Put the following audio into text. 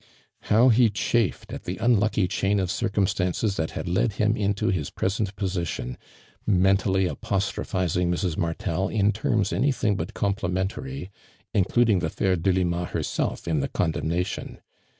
How he chafed at the unlucky chain of circumstances that had led him into hi.« present position, mentally apostrophi '.ing Mrs. Martel in terms anything but compli mentary including the fair Delima herself in the condemnation.